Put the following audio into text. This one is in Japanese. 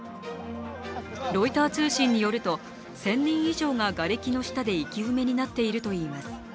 ロイター通信によると、１０００人以上ががれきの下で生き埋めになっているといいます。